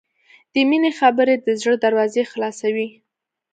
د مینې خبرې د زړه دروازې خلاصوي.